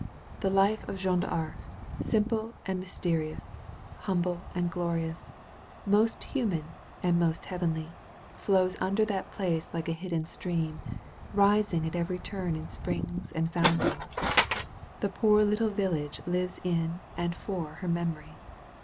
The life of Jeanne d'Arc, simple and mysterious* humble and glorious, most human and most heavenly* flows under that place like a hidden stream* rising at every turn in springs and fountains. The poor little vil lage lives in and for her memory.